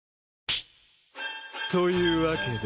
というわけだ。